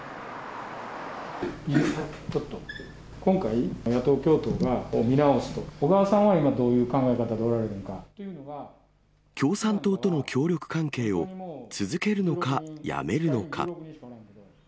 今回、野党共闘を見直すとか、小川さんは今、どういう考え方でおられる共産党との協力関係を続けるのかやめるのか。